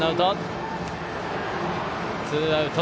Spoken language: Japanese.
ツーアウト。